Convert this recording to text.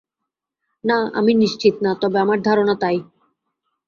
না, আমি নিশ্চিত না, তবে আমার ধারণা তাই।